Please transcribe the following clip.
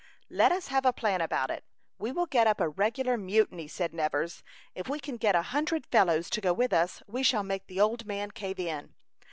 "Let us have a plan about it. We will get up a regular mutiny," said Nevers. "If we can get a hundred fellows to go with us, we shall make the old man cave in."